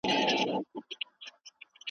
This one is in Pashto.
تر بهار لا په خزان کي تازه تر دی